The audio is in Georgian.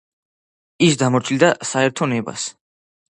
ის დამორჩილდა საერთო ნებას.